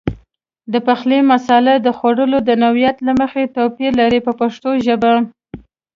د پخلي مساله د خوړو د نوعیت له مخې توپیر لري په پښتو ژبه.